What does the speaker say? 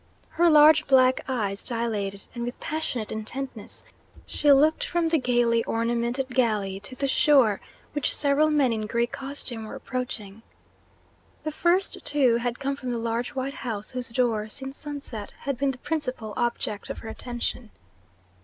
Her large black eyes dilated, and with passionate intentness she looked from the gaily ornamented galley to the shore, which several men in Greek costume were approaching. The first two had come from the large white house whose door, since sunset, had been the principal object of her attention.